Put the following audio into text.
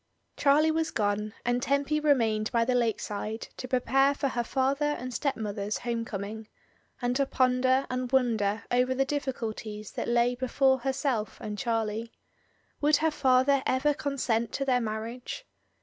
Charlie was gone, and Tempy remained by the lake side to prepare for her father and stepmother's home coming, and to ponder and wonder over the difficulties that lay before herself and Charlie. Would her father ever consent to their marriage?